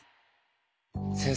先生